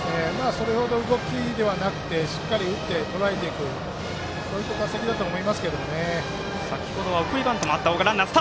それほど動きはなくてしっかり打ってとらえていく打席だと思います。